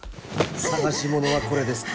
探し物はこれですか？